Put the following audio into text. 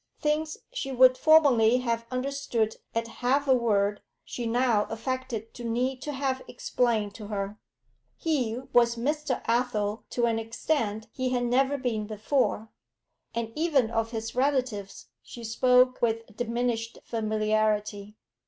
Things she would formerly have understood at a half word she now affected to need to have explained to her. He was 'Mr. Athel' to an extent he had never been before; and even of his relatives she spoke with a diminished familiarity.